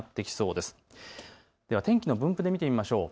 では天気の分布で見てみましょう。